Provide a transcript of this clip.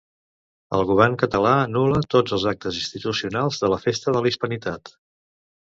El govern català anul·la tots els actes institucionals de la Festa de la Hispanitat.